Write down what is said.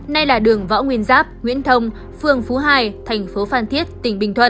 nay là đường võ nguyên giáp nguyễn thông phương phú hai tp phan thiết tỉnh bình thuận